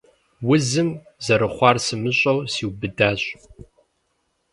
Узым, зэрыхъуар сымыщӀэу, сиубыдащ.